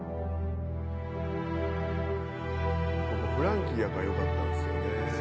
ここフランキーやからよかったんすよね。